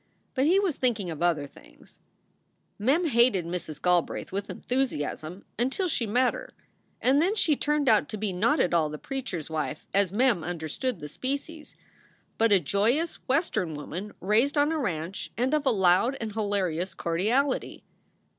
But he was thinking of other things. Mem hated Mrs. Galbraith with enthusiasm until she met her, and then she turned out to be not at all the preach er s wife as Mem understood the species, but a joyous SOULS FOR SALE 87 Western woman raised on a ranch and of a loud and hilarious cordiality.